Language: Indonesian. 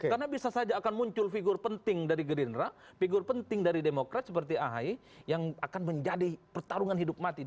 karena bisa saja akan muncul figur penting dari green rapa figur penting dari demokrat seperti ahi yang akan menjadi pertarungan hidup mati dua ribu dua puluh